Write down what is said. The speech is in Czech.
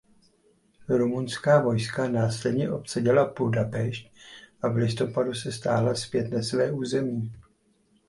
Rumunská vojska následně obsadila Budapešť a v listopadu se stáhla zpět na své území.